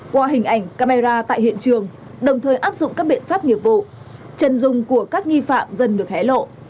qua hình ảnh camera tại hiện trường đồng thời áp dụng các biện pháp nghiệp vụ chân dung của các nghi phạm dần được hé lộ